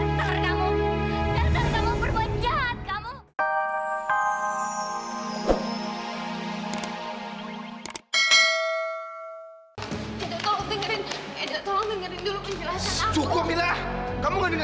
sampai jumpa fadil